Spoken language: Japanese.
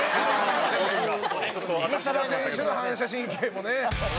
西田選手の反射神経もね。